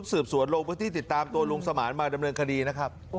สืบสวนลงพื้นที่ติดตามตัวลุงสมานมาดำเนินคดีนะครับ